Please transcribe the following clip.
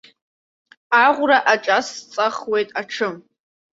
Аӷәра аҿасҵахуеит аҽы.